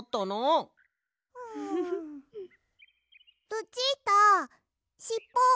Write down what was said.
ルチータしっぽ。